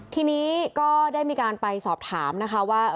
ทีนี้ก็ได้มีการไปสอบถามนะคะว่า